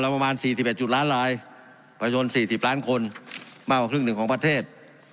ไปจนสี่สิบล้านคนมากกว่าครึ่งหนึ่งของประเทศ